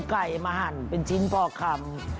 ไก่มาหั่นเป็นชิ้นพอคำ